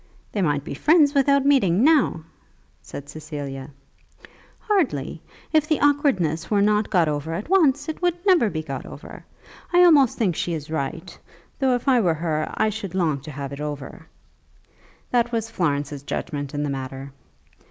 "They might be friends without meeting now," said Cecilia. "Hardly. If the awkwardness were not got over at once it would never be got over. I almost think she is right, though if I were her I should long to have it over." That was Florence's judgment in the matter.